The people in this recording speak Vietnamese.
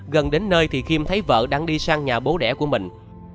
gần đến nơi thì khiêm thấy vợ đang đi sang nhà bố đẻ của mình